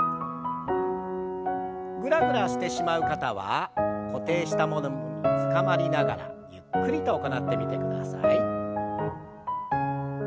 ぐらぐらしてしまう方は固定したものにつかまりながらゆっくりと行ってみてください。